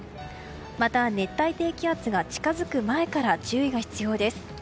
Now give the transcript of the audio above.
また、熱帯低気圧が近づく前から注意が必要です。